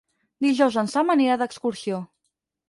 Dijous en Sam anirà d'excursió.